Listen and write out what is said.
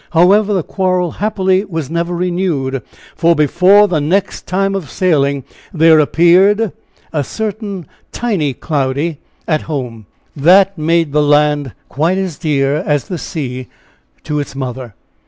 However, the quarrel happily was never renewed, for before the next time of sailing, there appeared a certain tiny Cloudy at home, that made the land quite as dear as the sea to its mother.